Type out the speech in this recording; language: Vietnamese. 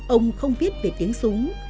ông không viết về tiếng súng